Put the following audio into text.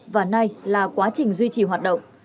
và nay là quá trình duy trì hoạt động